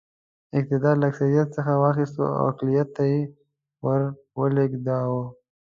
اقتدار له اکثریت څخه واخیست او اقلیت ته یې ور ولېږداوه.